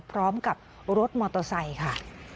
พร้อมกับรถมอเตอร์ไซค์ค่ะ